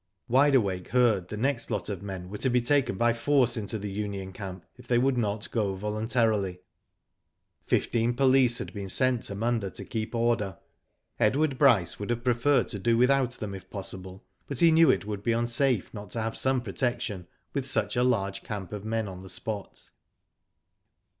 Wide Awake heard the next lot of men were to be taken by force into the union camp if they would not go voluntarily. Fifteen police had been sent to Munda to keep order. Edward Bryce would have preferred to do without them if possible, but he knew it would be unsafe not to have some protection, w^ith such a large camp of men on the spot.